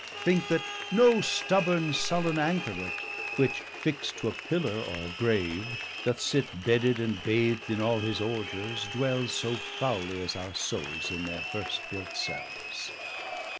Thinke that no stubborne sullen Anchorit, Which fixt to a pillar, or a grave, doth sit 170 Bedded, and bath'd in all his ordures, dwels So fowly as our Soules in their first built Cels.